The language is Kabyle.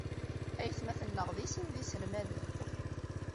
Aytmaten-nneɣ deg sin d iselmaden.